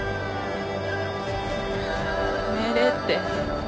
命令って。